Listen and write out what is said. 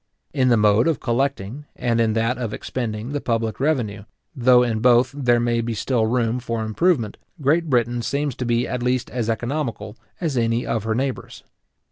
In the mode of collecting and in that of expending the public revenue, though in both there may be still room for improvement, Great Britain seems to be at least as economical as any of her neighbours.